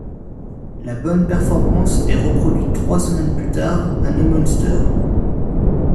La bonne performance est reproduite trois semaines plus tard à Neumünster.